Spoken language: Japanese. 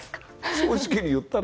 正直に言ったら？